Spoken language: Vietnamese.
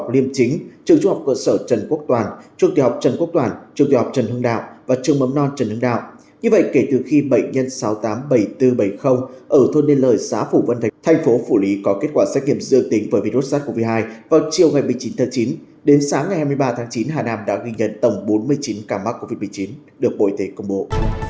đến sáng ngày hai mươi ba tháng chín hà nam đã ghi nhận tổng bốn mươi chín ca mắc covid một mươi chín được bộ y tế công bố